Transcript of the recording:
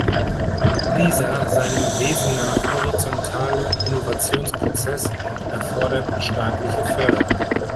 Dieser seinem Wesen nach horizontale Innovationsprozess erfordert staatliche Förderung.